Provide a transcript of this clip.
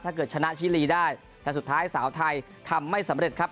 ชนะชิลีได้แต่สุดท้ายสาวไทยทำไม่สำเร็จครับ